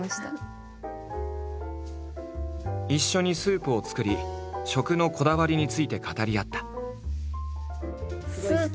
一緒にスープを作り食のこだわりについて語り合った。